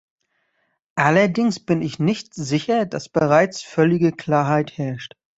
Allerdings bin ich nicht sicher, dass bereits völlige Klarheit herrscht.